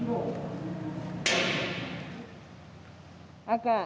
赤。